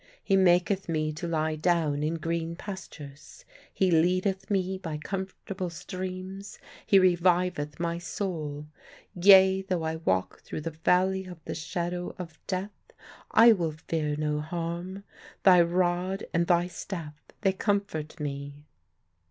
He maketh me to lie down in green pastures: He leadeth me by comfortable streams: He reviveth my soul. Yea, though I walk through the valley of the shadow of death, I will fear no harm: Thy rod and Thy staff they comfort me."